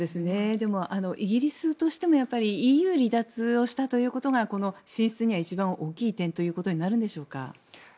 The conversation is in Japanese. でも、イギリスとしてもＥＵ離脱をしたことが進出には一番大きな点になるんでしょうか。